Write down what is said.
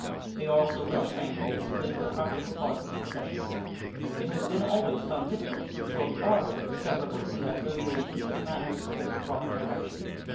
They are also well trained and disciplined in the practical parts of the profession. It has been always found difficult to control the ardor inseparable from that early age in such manner as to give it a proper direction.